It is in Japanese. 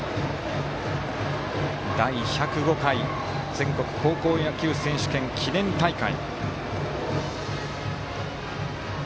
第１０５回全国高校野球選手権記念大会。